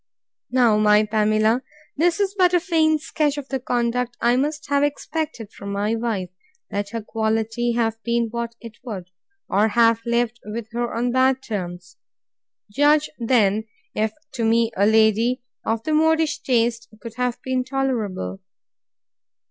Now, my Pamela, this is but a faint sketch of the conduct I must have expected from my wife, let her quality have been what it would; or have lived with her on bad terms. Judge then, if to me a lady of the modish taste could have been tolerable.